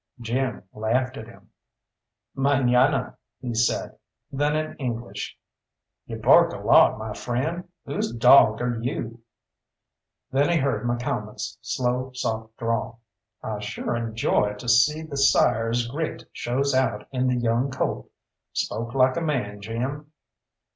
Jim laughed at him. "Mañana," he said. Then in English, "You bark a lot, my friend. Whose dog are you?" Then he heard McCalmont's slow, soft drawl. "I sure enjoy to see the sire's grit show out in the young colt. Spoke like a man, Jim!